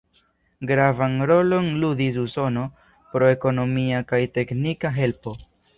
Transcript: Gravan rolon ludis Usono pro ekonomia kaj teknika helpo.